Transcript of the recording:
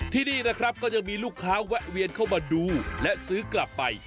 ที่นี่นะครับก็ยังมีลูกค้าแวะเวียนเข้ามาดูและซื้อกลับไป